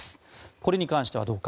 これに関してはどうか。